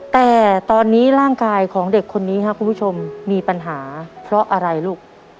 แต่ตอนนี้ร่างกายของเด็กคนนี้ครับคุณผู้ชมมีปัญหาเพราะอะไรลูก